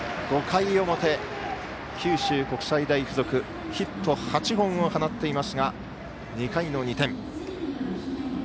５回表九州国際大付属ヒット８本を放っていますが２回の２点。